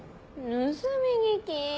盗み聞き。